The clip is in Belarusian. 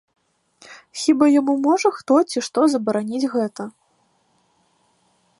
Хіба яму можа хто ці што забараніць гэта?